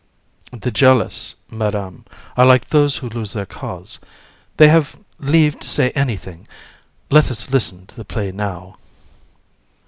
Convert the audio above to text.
VISC. The jealous, Madam, are like those who lose their cause; they have leave to say anything. Let us listen to the play now.